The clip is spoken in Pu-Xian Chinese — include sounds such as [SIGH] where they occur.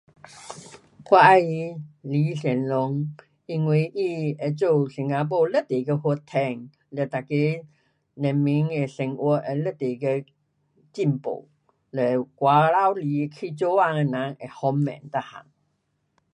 [NOISE] 我喜欢李显龙，因为他会做新加坡非常的发展，嘞每个人民的生活会非常的进步。嘞，外头来去做工的人会方便全部。